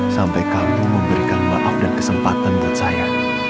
sampai kamu memberikan maaf dan kesempatan buat saya